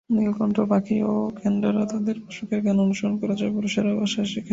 নীলকণ্ঠ পাখি ও কেনডারা তাদের পোষকের গান অনুকরণ করে, যা পুরুষেরা বাসায় শিখে।